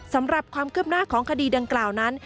สำหรับความคืบหน้าของคดีดังกล่าวนั้น